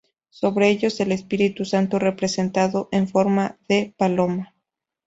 Sobre ellos el Espíritu Santo representado en forma de paloma.